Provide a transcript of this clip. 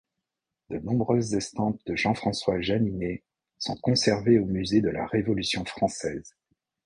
De nombreuses estampes de Jean-François Janinet sont conservées au musée de la Révolution française.